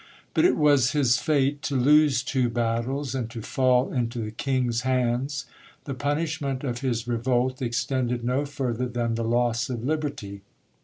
But it was his fate to lose two battles, and to fall into the king's hands. The punishment of his revolt extended no further than the loss of liberty.